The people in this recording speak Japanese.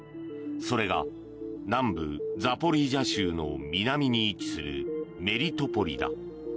それが南部ザポリージャ州の南に位置するメリトポリだ。